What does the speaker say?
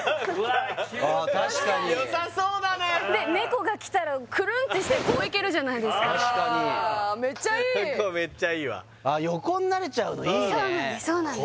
あ確かによさそうだねで猫が来たらクルンってしてこういけるじゃないですかあメッチャいいこれメッチャいいわ横になれちゃうのいいねそうなんですそうなんです